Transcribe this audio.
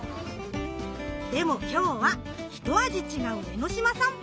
でも今日は一味違う江の島さんぽ。